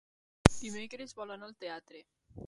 Dimecres vol anar al teatre.